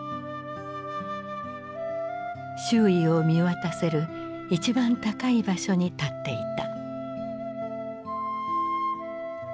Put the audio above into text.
周囲を見渡せる一番高い場所に立っていた。